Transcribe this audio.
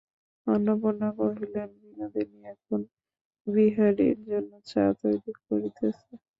অন্নপূর্ণা কহিলেন, বিনোদিনী এখন বিহারীর জন্য চা তৈরি করিতেছে।